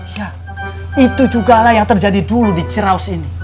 ya itu juga lah yang terjadi dulu di ciraus ini